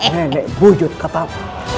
nenek buyut katamu